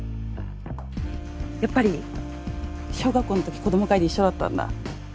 やっぱり。小学校のとき子ども会で一緒だったんだ。